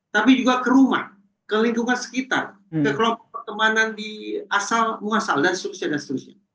tapi juga ke rumah ke lingkungan sekitar ke kelompok pertemanan di asal muasal dan seterusnya